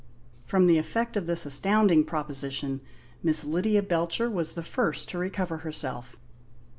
From the effect of this astounding proposition Miss Lydia Belcher was the first to recover herself.